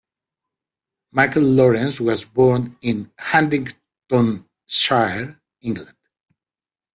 Michael Lawrence was born in Huntingdonshire, England.